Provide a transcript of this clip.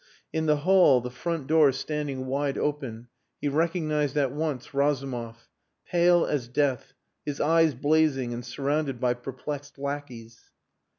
In the hall, the front door standing wide open, he recognised at once Razumov, pale as death, his eyes blazing, and surrounded by perplexed lackeys.